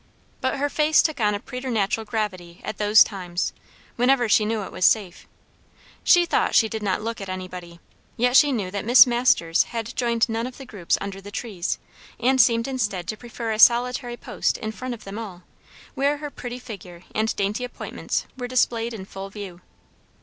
But her face took on a preternatural gravity at those times, whenever she knew it was safe. She thought she did not look at anybody; yet she knew that Miss Masters had joined none of the groups under the trees, and seemed instead to prefer a solitary post in front of them all, where her pretty figure and dainty appointments were displayed in full view.